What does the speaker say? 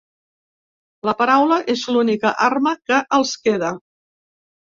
La paraula és l’única arma que els queda…